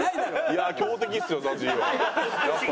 いや強敵っすよＺＡＺＹはやっぱ。